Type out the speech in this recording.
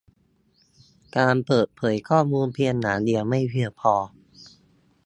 การเปิดเผยข้อมูลเพียงอย่างเดียวไม่เพียงพอ